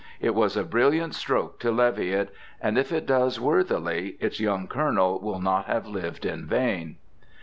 It was a brilliant stroke to levy it; and if it does worthily, its young Colonel will not have lived in vain.